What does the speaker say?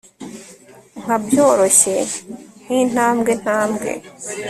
Nka byoroshye nkintambwentambwe